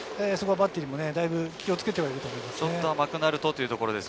バッテリーも気をつけていると思います。